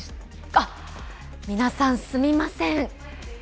あっ、皆さんすみません。